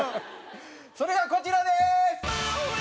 それがこちらです！